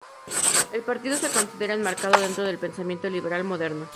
El partido se considera enmarcado dentro del pensamiento liberal moderno.